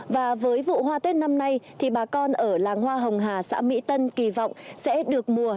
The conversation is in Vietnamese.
và với vụ hoa tết năm nay thì bà con ở làng hoa hồng hà xã mỹ tân kỳ vọng sẽ được mùa